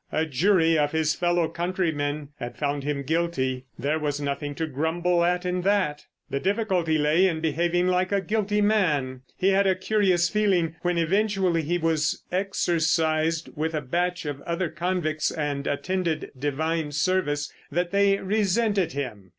A jury of his fellow countrymen had found him guilty. There was nothing to grumble at in that! The difficulty lay in behaving like a guilty man. He had a curious feeling when eventually he was exercised with a batch of other convicts and attended Divine Service, that they resented him.